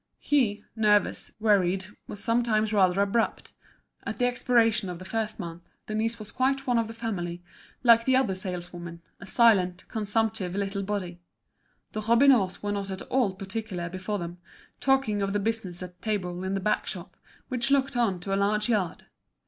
He, nervous, worried, was sometimes rather abrupt. At the expiration of the first month, Denise was quite one of the family, like the other saleswoman, a silent, consumptive, little body. The Robineaus were not at all particular before them, talking of the business at table in the back shop, which looked on to a large yard.